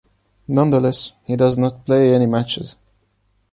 Nonetheless, he does not play any matches.